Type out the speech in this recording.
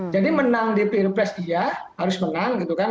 jadi menang di pilpres iya harus menang gitu kan